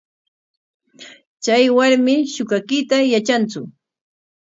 ¿Chay warmi shuqakuyta yatranku?